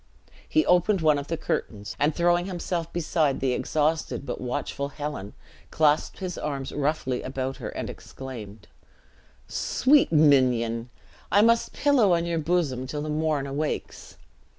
He opened one of the curtains, and throwing himself beside the exhausted, but watchful Helen, clasped his arms roughly about her, and exclaimed, "Sweet minion, I must pillow on your bosom till the morn awakes!"